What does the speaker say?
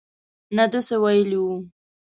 نه ده څه ویلي وو.